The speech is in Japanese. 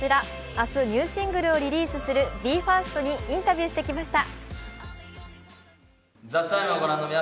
明日、ニューシングルをリリースするＢＥ：ＦＩＲＳＴにインタビューしてきました。